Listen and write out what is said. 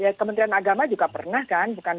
ya kementerian agama juga pernah kan